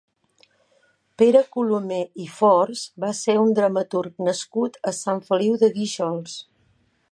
Pere Colomer i Fors va ser un dramaturg nascut a Sant Feliu de Guíxols.